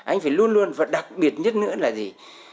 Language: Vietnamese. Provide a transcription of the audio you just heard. anh phải luôn luôn và đặc biệt nhất nữa là gì